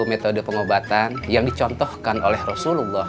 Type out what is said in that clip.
metode pengobatan yang dicontohkan oleh rasulullah